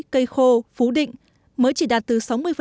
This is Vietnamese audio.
cây khô phú định mới chỉ đạt từ sáu mươi